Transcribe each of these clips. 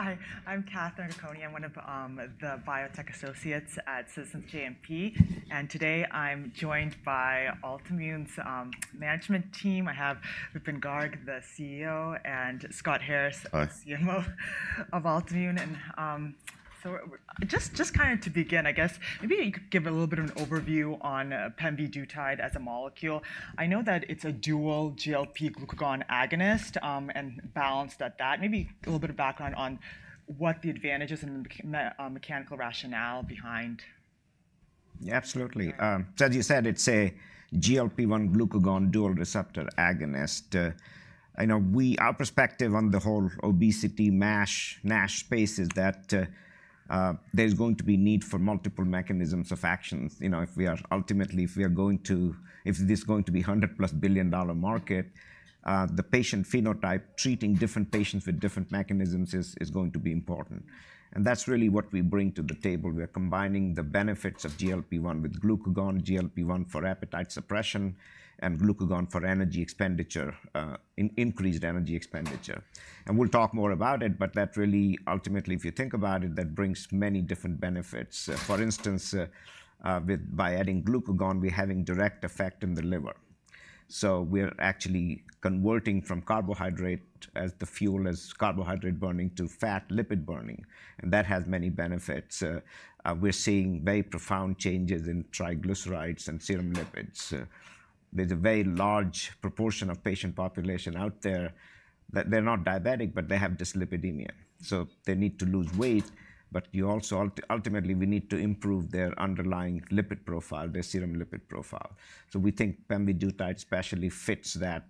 Hi, I'm Catherine Okoukoni. I'm one of the biotech associates at Citizens JMP. Today I'm joined by Altimmune's management team. I have Vipin Garg, the CEO, and Scott Harris, the CMO of Altimmune. So just kind of to begin, I guess maybe you could give a little bit of an overview on Pemvidutide as a molecule. I know that it's a dual GLP-glucagon agonist, and balance that. Maybe a little bit of background on what the advantages and the mechanical rationale behind. Yeah, absolutely. So as you said, it's a GLP-1 glucagon dual receptor agonist. Our perspective on the whole obesity NASH space is that there's going to be need for multiple mechanisms of action. If this is ultimately going to be a $100+ billion market, the patient phenotype treating different patients with different mechanisms is going to be important. And that's really what we bring to the table. We are combining the benefits of GLP-1 with glucagon, GLP-1 for appetite suppression, and glucagon for increased energy expenditure. And we'll talk more about it. But that really, ultimately, if you think about it, that brings many different benefits. For instance, by adding glucagon, we're having direct effect in the liver. So we are actually converting from carbohydrate as the fuel, from carbohydrate burning to fat lipid burning. And that has many benefits. We're seeing very profound changes in triglycerides and serum lipids. There's a very large proportion of patient population out there that they're not diabetic, but they have dyslipidemia. So they need to lose weight. But ultimately, we need to improve their underlying lipid profile, their serum lipid profile. So we think Pemvidutide especially fits that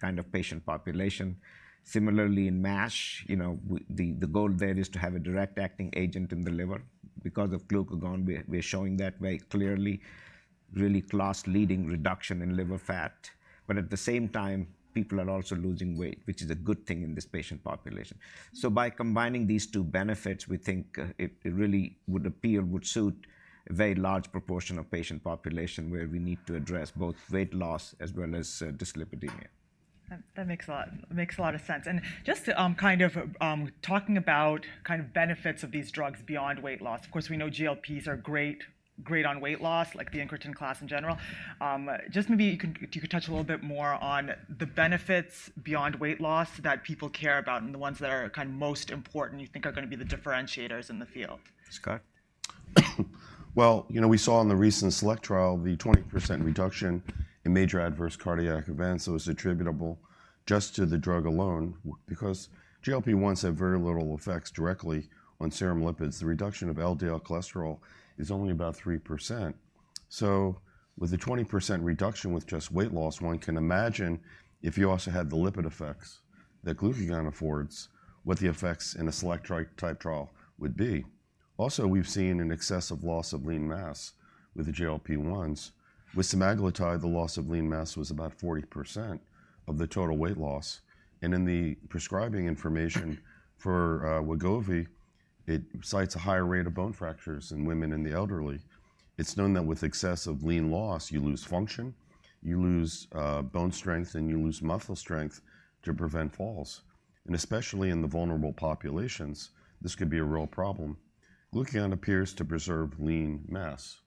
kind of patient population. Similarly, in NASH, the goal there is to have a direct-acting agent in the liver. Because of glucagon, we are showing that very clearly really class-leading reduction in liver fat. But at the same time, people are also losing weight, which is a good thing in this patient population. So by combining these two benefits, we think it really would appear would suit a very large proportion of patient population where we need to address both weight loss as well as dyslipidemia. That makes a lot of sense. And just kind of talking about kind of benefits of these drugs beyond weight loss of course, we know GLPs are great on weight loss, like the incretin class in general. Just maybe you could touch a little bit more on the benefits beyond weight loss that people care about and the ones that are kind of most important you think are going to be the differentiators in the field? Scott? Well, we saw in the recent SELECT trial the 20% reduction in major adverse cardiac events. So it's attributable just to the drug alone. Because GLP-1s have very little effects directly on serum lipids, the reduction of LDL cholesterol is only about 3%. So with the 20% reduction with just weight loss, one can imagine, if you also had the lipid effects that glucagon affords, what the effects in a SELECT-type trial would be. Also, we've seen an excessive loss of lean mass with the GLP-1s. With semaglutide, the loss of lean mass was about 40% of the total weight loss. And in the prescribing information for Wegovy, it cites a higher rate of bone fractures in women and the elderly. It's known that with excessive lean loss, you lose function. You lose bone strength, and you lose muscle strength to prevent falls. And especially in the vulnerable populations, this could be a real problem. Glucagon appears to preserve lean mass.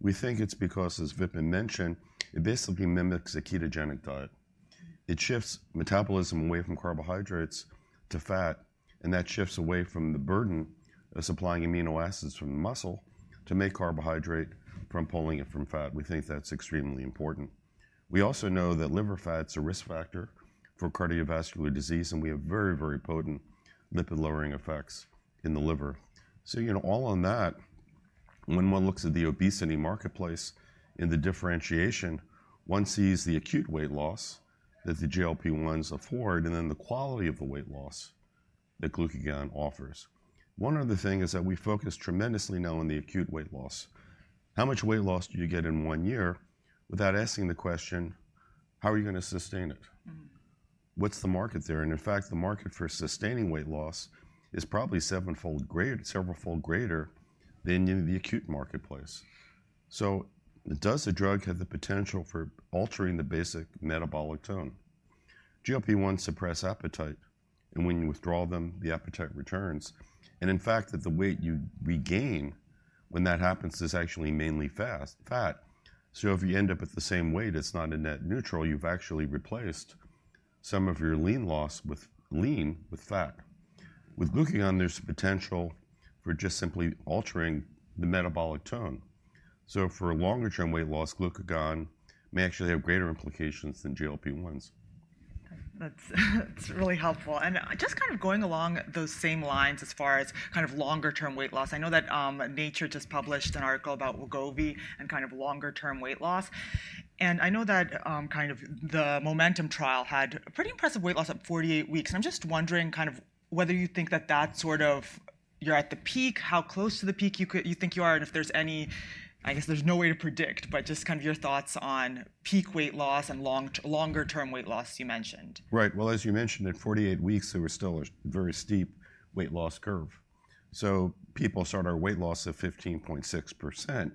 We think it's because, as Vipin mentioned, it basically mimics a ketogenic diet. It shifts metabolism away from carbohydrates to fat. And that shifts away from the burden of supplying amino acids from the muscle to make carbohydrate from pulling it from fat. We think that's extremely important. We also know that liver fats are a risk factor for cardiovascular disease. And we have very, very potent lipid-lowering effects in the liver. So all on that, when one looks at the obesity marketplace in the differentiation, one sees the acute weight loss that the GLP-1s afford and then the quality of the weight loss that glucagon offers. One other thing is that we focus tremendously now on the acute weight loss. How much weight loss do you get in one year without asking the question, how are you going to sustain it? What's the market there? And in fact, the market for sustaining weight loss is probably sevenfold great severalfold greater than in the acute marketplace. So does the drug have the potential for altering the basic metabolic tone? GLP-1s suppress appetite. And when you withdraw them, the appetite returns. And in fact, the weight you regain when that happens is actually mainly fat. So if you end up with the same weight, it's not a net neutral. You've actually replaced some of your lean loss with lean with fat. With glucagon, there's potential for just simply altering the metabolic tone. So for longer-term weight loss, glucagon may actually have greater implications than GLP-1s. That's really helpful. Just kind of going along those same lines as far as kind of longer-term weight loss, I know that Nature just published an article about Wegovy and kind of longer-term weight loss. I know that kind of the Momentum trial had pretty impressive weight loss at 48 weeks. I'm just wondering kind of whether you think that that's sort of you're at the peak, how close to the peak you think you are, and if there's any I guess there's no way to predict, but just kind of your thoughts on peak weight loss and longer-term weight loss you mentioned. Right. Well, as you mentioned, at 48 weeks, there was still a very steep weight loss curve. So people started our weight loss at 15.6%.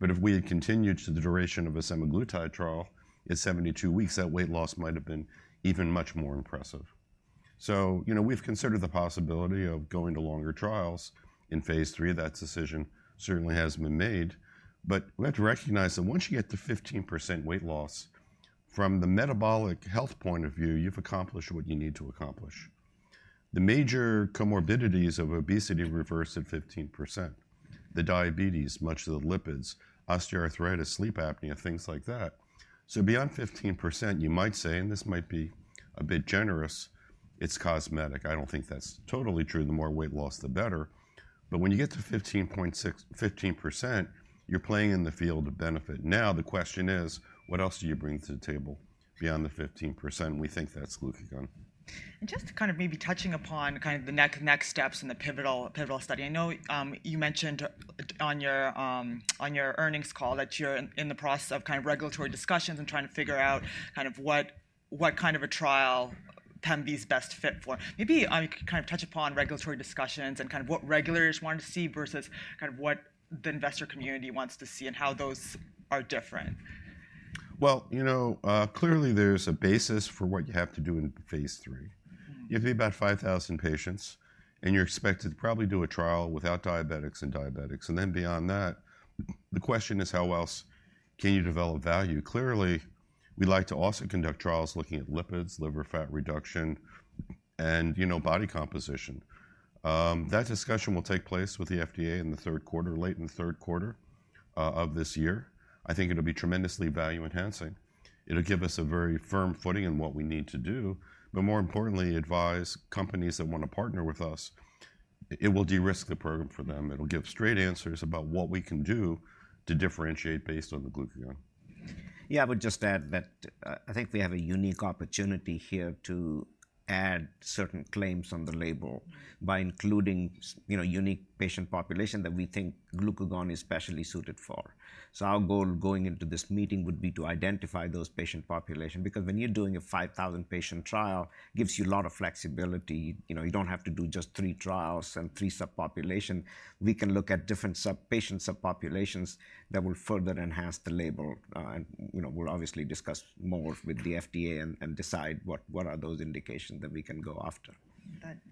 But if we had continued to the duration of a semaglutide trial at 72 weeks, that weight loss might have been even much more impressive. So we've considered the possibility of going to longer trials in phase three. That decision certainly has been made. But we have to recognize that once you get to 15% weight loss, from the metabolic health point of view, you've accomplished what you need to accomplish. The major comorbidities of obesity reverse at 15%, the diabetes, much of the lipids, osteoarthritis, sleep apnea, things like that. So beyond 15%, you might say and this might be a bit generous it's cosmetic. I don't think that's totally true. The more weight loss, the better. When you get to 15%, you're playing in the field of benefit. Now the question is, what else do you bring to the table beyond the 15%? We think that's glucagon. Just kind of maybe touching upon kind of the next steps in the pivotal study, I know you mentioned on your earnings call that you're in the process of kind of regulatory discussions and trying to figure out kind of what kind of a trial Pembe's best fit for. Maybe kind of touch upon regulatory discussions and kind of what regulators want to see versus kind of what the investor community wants to see and how those are different. Well, you know clearly, there's a basis for what you have to do in phase three. You have to be about 5,000 patients. You're expected to probably do a trial without diabetics and diabetics. Then beyond that, the question is, how else can you develop value? Clearly, we'd like to also conduct trials looking at lipids, liver fat reduction, and body composition. That discussion will take place with the FDA in the third quarter, late in the third quarter of this year. I think it'll be tremendously value-enhancing. It'll give us a very firm footing in what we need to do. More importantly, advise companies that want to partner with us. It will de-risk the program for them. It'll give straight answers about what we can do to differentiate based on the glucagon. Yeah, I would just add that I think we have a unique opportunity here to add certain claims on the label by including a unique patient population that we think glucagon is specially suited for. So our goal going into this meeting would be to identify those patient population. Because when you're doing a 5,000-patient trial, it gives you a lot of flexibility. You don't have to do just three trials and three subpopulations. We can look at different sub patient subpopulations that will further enhance the label. And we'll obviously discuss more with the FDA and decide what are those indications that we can go after.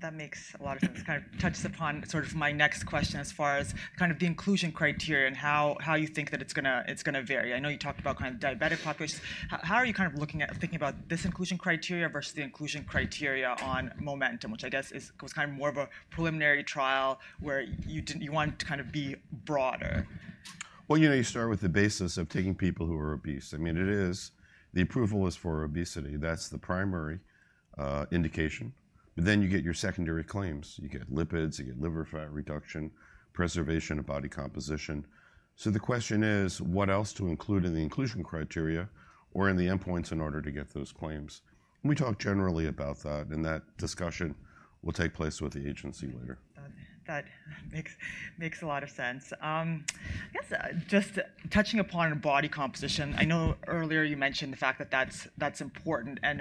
That makes a lot of sense. It kind of touches upon sort of my next question as far as kind of the inclusion criteria and how you think that it's going to vary. I know you talked about kind of diabetic populations. How are you kind of looking at thinking about this inclusion criteria versus the inclusion criteria on MOMENTUM, which I guess was kind of more of a preliminary trial where you wanted to kind of be broader? Well, you start with the basis of taking people who are obese. I mean, it is. The approval is for obesity. That's the primary indication. But then you get your secondary claims. You get lipids. You get liver fat reduction, preservation of body composition. So the question is, what else to include in the inclusion criteria or in the endpoints in order to get those claims? We talk generally about that. That discussion will take place with the agency later. That makes a lot of sense. I guess just touching upon body composition, I know earlier you mentioned the fact that that's important. I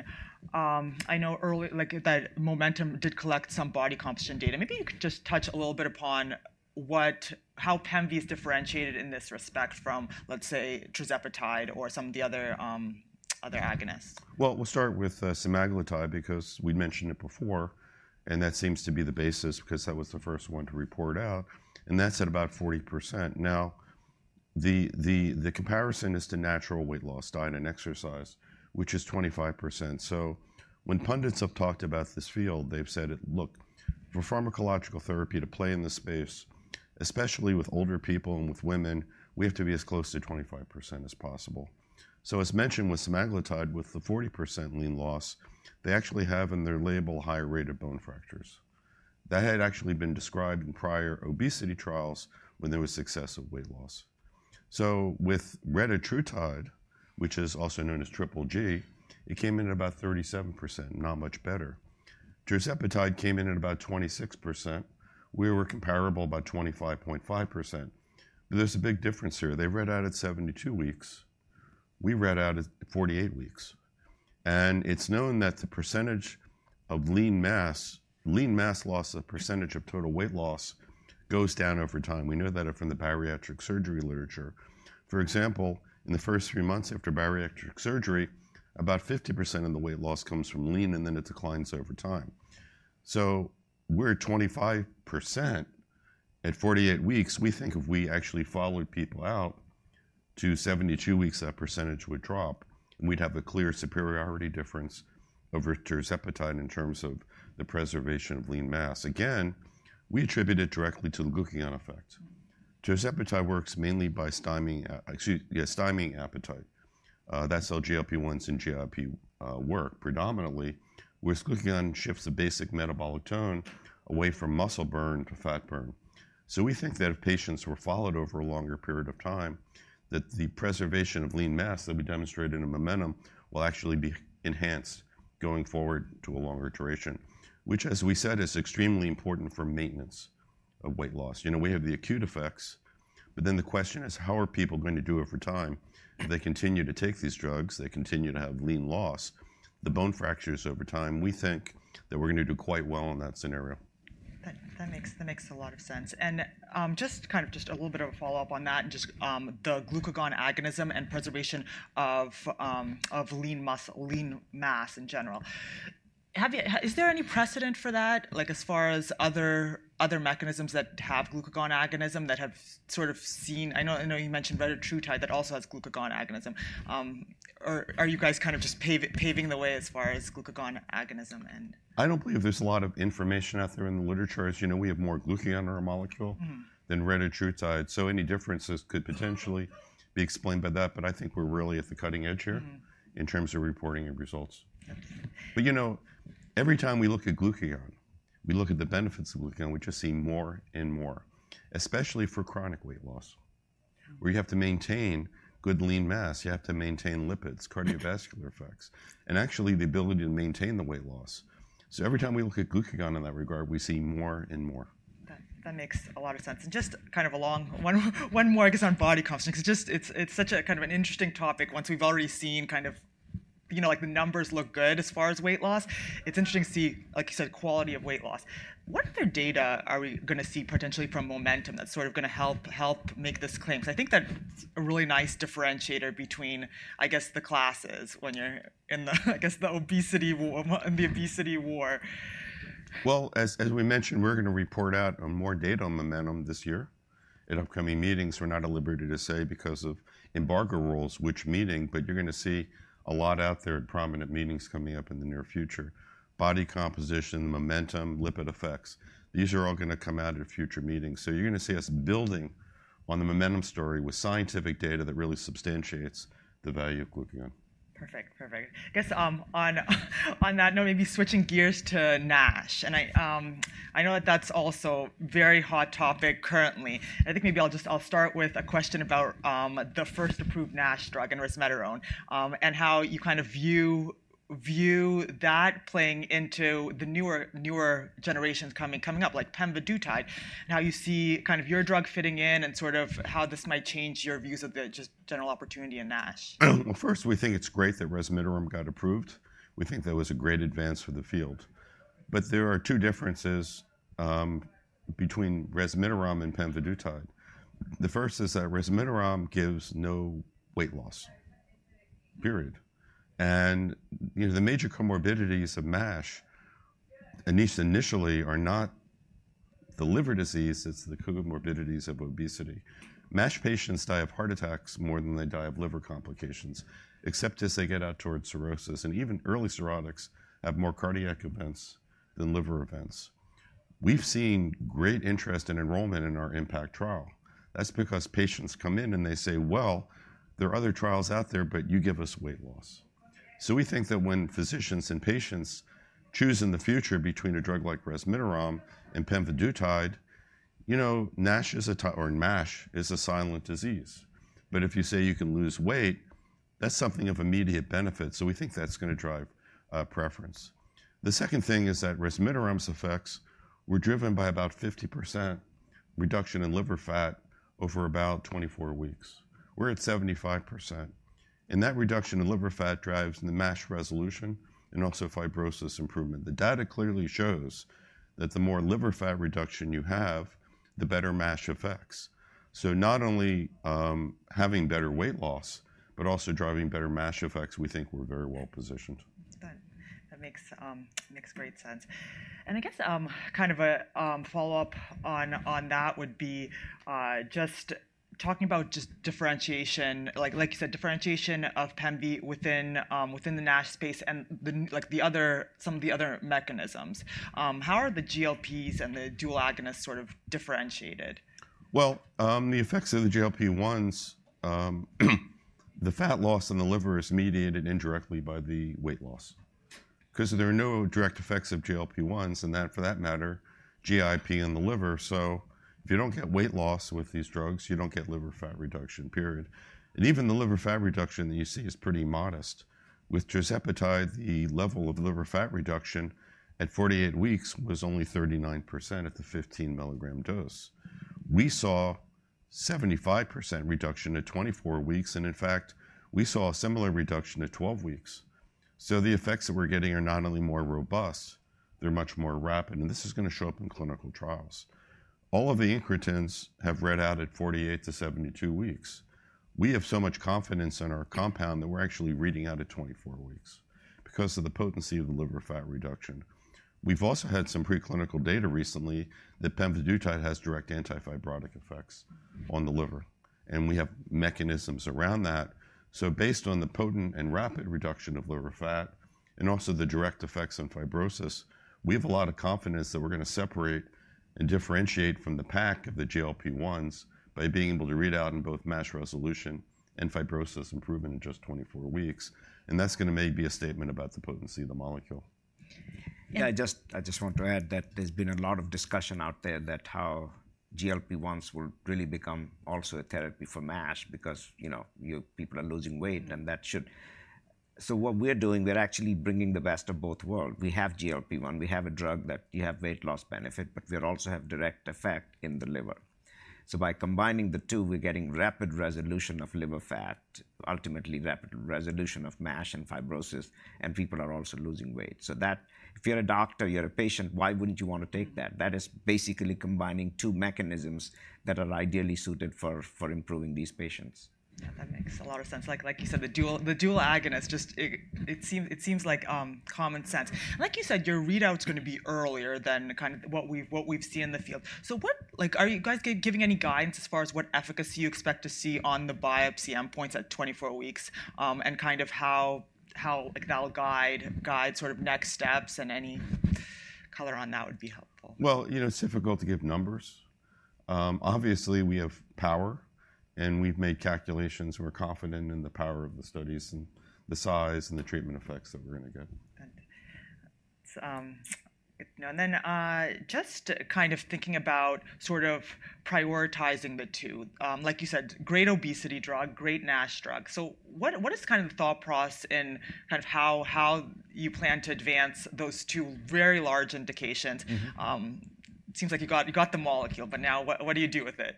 know that MOMENTUM did collect some body composition data. Maybe you could just touch a little bit upon how pemvidutide's differentiated in this respect from, let's say, tirzepatide or some of the other agonists. Well, we'll start with semaglutide because we'd mentioned it before. And that seems to be the basis because that was the first one to report out. And that's at about 40%. Now, the comparison is to natural weight loss diet and exercise, which is 25%. So when pundits have talked about this field, they've said, look, for pharmacological therapy to play in this space, especially with older people and with women, we have to be as close to 25% as possible. So as mentioned with semaglutide, with the 40% lean loss, they actually have in their label a higher rate of bone fractures. That had actually been described in prior obesity trials when there was successive weight loss. So with retatrutide, which is also known as GGG, it came in at about 37%, not much better. Tirzepatide came in at about 26%. We were comparable about 25.5%. But there's a big difference here. They read out at 72 weeks. We read out at 48 weeks. It's known that the percentage of lean mass lean mass loss, the percentage of total weight loss goes down over time. We know that from the bariatric surgery literature. For example, in the first three months after bariatric surgery, about 50% of the weight loss comes from lean. Then it declines over time. So we're at 25% at 48 weeks. We think if we actually followed people out to 72 weeks, that percentage would drop. We'd have a clear superiority difference over tirzepatide in terms of the preservation of lean mass. Again, we attribute it directly to the glucagon effect. Tirzepatide works mainly by stymieing appetite. That's how GLP-1s and GIP work predominantly, whereas glucagon shifts the basic metabolic tone away from muscle burn to fat burn. So we think that if patients were followed over a longer period of time, that the preservation of lean mass that we demonstrated in Momentum will actually be enhanced going forward to a longer duration, which, as we said, is extremely important for maintenance of weight loss. We have the acute effects. But then the question is, how are people going to do over time? If they continue to take these drugs, they continue to have lean loss, the bone fractures over time, we think that we're going to do quite well in that scenario. That makes a lot of sense. And just kind of just a little bit of a follow-up on that and just the glucagon agonism and preservation of lean mass in general. Is there any precedent for that, like as far as other mechanisms that have glucagon agonism that have sort of seen? I know you mentioned retatrutide that also has glucagon agonism. Are you guys kind of just paving the way as far as glucagon agonism and. I don't believe there's a lot of information out there in the literature. As you know, we have more glucagon in our molecule than Retatrutide. So any differences could potentially be explained by that. But I think we're really at the cutting edge here in terms of reporting and results. But every time we look at glucagon, we look at the benefits of glucagon, we just see more and more, especially for chronic weight loss, where you have to maintain good lean mass. You have to maintain lipids, cardiovascular effects, and actually the ability to maintain the weight loss. So every time we look at glucagon in that regard, we see more and more. That makes a lot of sense. Just kind of along one more, I guess, on body composition because it's such a kind of an interesting topic. Once we've already seen kind of the numbers look good as far as weight loss, it's interesting to see, like you said, quality of weight loss. What other data are we going to see potentially from Momentum that's sort of going to help make this claim? Because I think that's a really nice differentiator between, I guess, the classes when you're in the obesity war. Well, as we mentioned, we're going to report out more data on Momentum this year. At upcoming meetings, we're not at liberty to say because of embargo rules which meeting. But you're going to see a lot out there at prominent meetings coming up in the near future body composition, Momentum, lipid effects. These are all going to come out at future meetings. So you're going to see us building on the Momentum story with scientific data that really substantiates the value of glucagon. Perfect. Perfect. I guess on that note, maybe switching gears to NASH. And I know that that's also a very hot topic currently. And I think maybe I'll start with a question about the first approved NASH drug, resmetirom, and how you kind of view that playing into the newer generations coming up, like pemvidutide, and how you see kind of your drug fitting in and sort of how this might change your views of the just general opportunity in NASH. Well, first, we think it's great that Resmetirom got approved. We think that was a great advance for the field. But there are two differences between Resmetirom and pemvidutide. The first is that Resmetirom gives no weight loss, period. And the major comorbidities of NASH initially are not the liver disease. It's the comorbidities of obesity. NASH patients die of heart attacks more than they die of liver complications, except as they get out towards cirrhosis. And even early cirrhotics have more cardiac events than liver events. We've seen great interest in enrollment in our IMPACT trial. That's because patients come in and they say, well, there are other trials out there, but you give us weight loss. So we think that when physicians and patients choose in the future between a drug like Resmetirom and pemvidutide, NASH is a silent disease. But if you say you can lose weight, that's something of immediate benefit. So we think that's going to drive preference. The second thing is that Resmetirom's effects were driven by about 50% reduction in liver fat over about 24 weeks. We're at 75%. And that reduction in liver fat drives the NASH resolution and also fibrosis improvement. The data clearly shows that the more liver fat reduction you have, the better NASH effects. So not only having better weight loss, but also driving better NASH effects, we think we're very well positioned. That makes great sense. And I guess kind of a follow-up on that would be just talking about differentiation, like you said, differentiation of Pembe within the NASH space and some of the other mechanisms. How are the GLPs and the dual agonists sort of differentiated? Well, the effects of the GLP-1s, the fat loss in the liver is mediated indirectly by the weight loss because there are no direct effects of GLP-1s. And for that matter, GIP in the liver. So if you don't get weight loss with these drugs, you don't get liver fat reduction, period. And even the liver fat reduction that you see is pretty modest. With tirzepatide, the level of liver fat reduction at 48 weeks was only 39% at the 15 mg dose. We saw a 75% reduction at 24 weeks. And in fact, we saw a similar reduction at 12 weeks. So the effects that we're getting are not only more robust, they're much more rapid. And this is going to show up in clinical trials. All of the incretins have read out at 48-72 weeks. We have so much confidence in our compound that we're actually reading out at 24 weeks because of the potency of the liver fat reduction. We've also had some preclinical data recently that pemvidutide has direct antifibrotic effects on the liver. And we have mechanisms around that. So based on the potent and rapid reduction of liver fat and also the direct effects on fibrosis, we have a lot of confidence that we're going to separate and differentiate from the pack of the GLP-1s by being able to read out in both NASH resolution and fibrosis improvement in just 24 weeks. And that's going to maybe be a statement about the potency of the molecule. Yeah, I just want to add that there's been a lot of discussion out there that how GLP-1s will really become also a therapy for NASH because people are losing weight. And that should so what we're doing, we're actually bringing the best of both worlds. We have GLP-1. We have a drug that you have weight loss benefit. But we also have direct effect in the liver. So by combining the two, we're getting rapid resolution of liver fat, ultimately rapid resolution of NASH and fibrosis. And people are also losing weight. So if you're a doctor, you're a patient, why wouldn't you want to take that? That is basically combining two mechanisms that are ideally suited for improving these patients. Yeah, that makes a lot of sense. Like you said, the dual agonists, it seems like common sense. Like you said, your readout's going to be earlier than kind of what we've seen in the field. So are you guys giving any guidance as far as what efficacy you expect to see on the biopsy endpoints at 24 weeks and kind of how that'll guide sort of next steps? And any color on that would be helpful. Well, it's difficult to give numbers. Obviously, we have power. We've made calculations. We're confident in the power of the studies and the size and the treatment effects that we're going to get. And then just kind of thinking about sort of prioritizing the two, like you said, great obesity drug, great NASH drug. So what is kind of the thought process in kind of how you plan to advance those two very large indications? It seems like you got the molecule. But now, what do you do with it?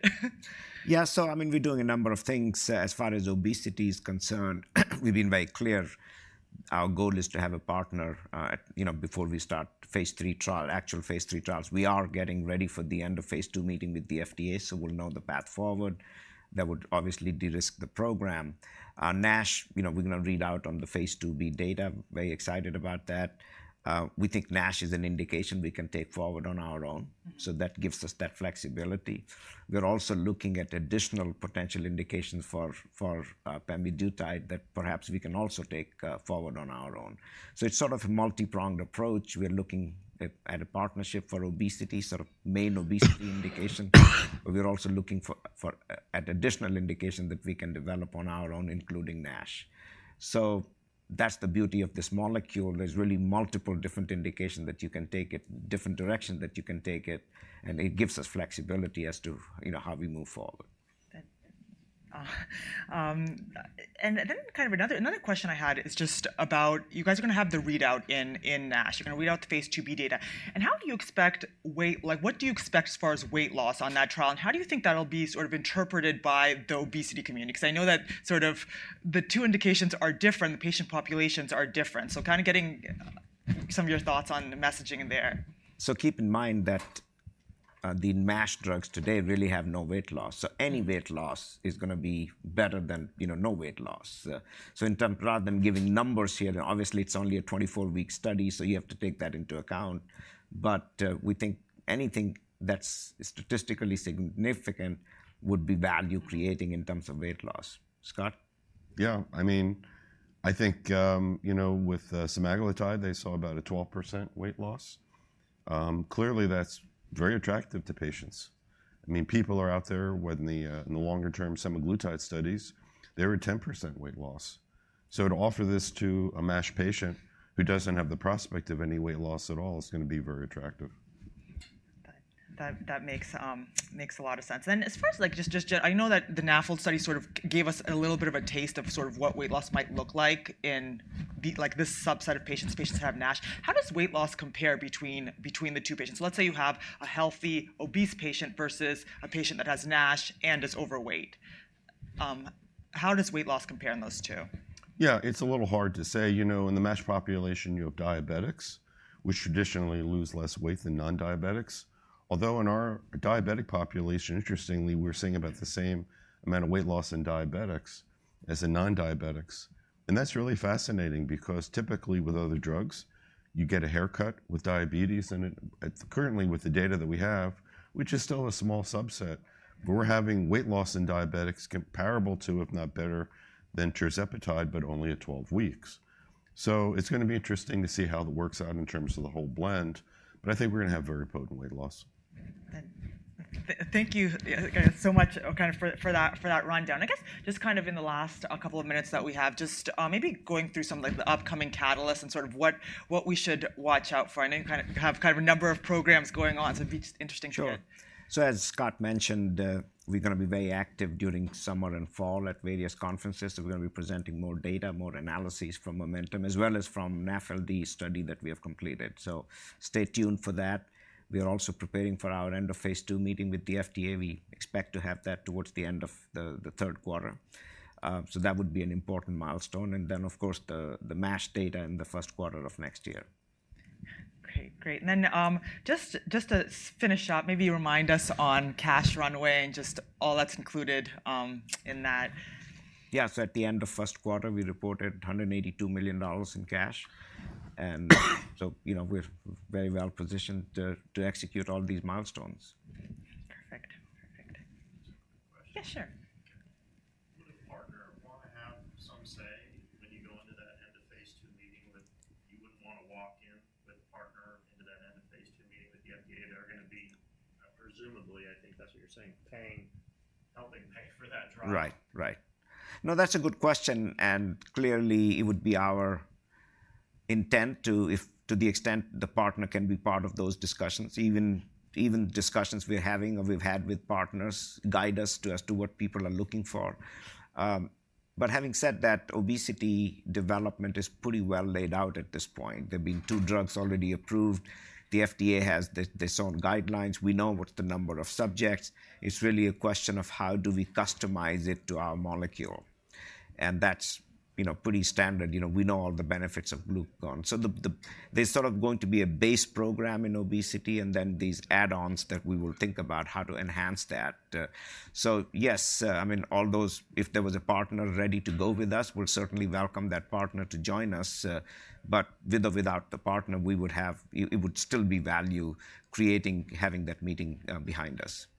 Yeah, so I mean, we're doing a number of things as far as obesity is concerned. We've been very clear. Our goal is to have a partner before we start phase 3 trials, actual phase 3 trials. We are getting ready for the end of phase 2 meeting with the FDA. So we'll know the path forward. That would obviously de-risk the program. NASH, we're going to read out on the phase 2b data. Very excited about that. We think NASH is an indication we can take forward on our own. So that gives us that flexibility. We're also looking at additional potential indications for pemvidutide that perhaps we can also take forward on our own. So it's sort of a multi-pronged approach. We're looking at a partnership for obesity, sort of main obesity indication. We're also looking at additional indication that we can develop on our own, including NASH. That's the beauty of this molecule. There's really multiple different indications that you can take it, different directions that you can take it. It gives us flexibility as to how we move forward. And then kind of another question I had is just about you guys are going to have the readout in NASH. You're going to read out the phase 2b data. And how do you expect weight? What do you expect as far as weight loss on that trial? And how do you think that'll be sort of interpreted by the obesity community? Because I know that sort of the two indications are different. The patient populations are different. So kind of getting some of your thoughts on the messaging in there. So keep in mind that the NASH drugs today really have no weight loss. So any weight loss is going to be better than no weight loss. So rather than giving numbers here, obviously, it's only a 24-week study. So you have to take that into account. But we think anything that's statistically significant would be value-creating in terms of weight loss. Scott? Yeah, I mean, I think with Semaglutide, they saw about a 12% weight loss. Clearly, that's very attractive to patients. I mean, people are out there when the longer-term Semaglutide studies, they were 10% weight loss. So to offer this to a NASH patient who doesn't have the prospect of any weight loss at all is going to be very attractive. That makes a lot of sense. Then as far as just general, I know that the NAFLD study sort of gave us a little bit of a taste of sort of what weight loss might look like in this subset of patients, patients that have NASH. How does weight loss compare between the two patients? Let's say you have a healthy, obese patient versus a patient that has NASH and is overweight. How does weight loss compare in those two? Yeah, it's a little hard to say. In the NASH population, you have diabetics, which traditionally lose less weight than non-diabetics. Although in our diabetic population, interestingly, we're seeing about the same amount of weight loss in diabetics as in non-diabetics. That's really fascinating because typically, with other drugs, you get a haircut with diabetes. Currently, with the data that we have, which is still a small subset, but we're having weight loss in diabetics comparable to, if not better, than tirzepatide, but only at 12 weeks. So it's going to be interesting to see how that works out in terms of the whole blend. But I think we're going to have very potent weight loss. Thank you so much kind of for that rundown. I guess just kind of in the last couple of minutes that we have, just maybe going through some of the upcoming catalysts and sort of what we should watch out for. I know you have kind of a number of programs going on. So it'd be interesting to hear. Sure. So as Scott mentioned, we're going to be very active during summer and fall at various conferences. So we're going to be presenting more data, more analyses from Momentum, as well as from NAFLD study that we have completed. So stay tuned for that. We are also preparing for our end of phase 2 meeting with the FDA. We expect to have that towards the end of the third quarter. So that would be an important milestone. And then, of course, the NASH data in the first quarter of next year. Great. Great. And then, just to finish up, maybe you remind us on cash runway and just all that's included in that. Yeah, so at the end of first quarter, we reported $182 million in cash. And so we're very well positioned to execute all these milestones. Perfect. Perfect. Yeah, sure. Would a partner want to have some say when you go into that end of phase 2 meeting? You wouldn't want to walk in with a partner into that end of phase 2 meeting with the FDA? They're going to be, presumably, I think that's what you're saying, helping pay for that trial. Right. Right. No, that's a good question. And clearly, it would be our intent to, to the extent the partner can be part of those discussions, even discussions we're having or we've had with partners, guide us as to what people are looking for. But having said that, obesity development is pretty well laid out at this point. There have been two drugs already approved. The FDA has their own guidelines. We know what's the number of subjects. It's really a question of how do we customize it to our molecule. And that's pretty standard. We know all the benefits of glucagon. So there's sort of going to be a base program in obesity and then these add-ons that we will think about how to enhance that. So yes, I mean, if there was a partner ready to go with us, we'll certainly welcome that partner to join us. But with or without the partner, it would still be value-creating having that meeting behind us. Great.